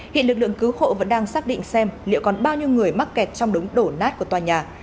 hiện lực lượng cứu hộ vẫn đang xác định xem liệu còn bao nhiêu người mắc kẹt trong đống đổ nát của tòa nhà